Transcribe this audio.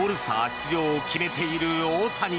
出場を決めている大谷。